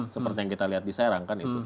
seperti yang kita lihat di serang kan itu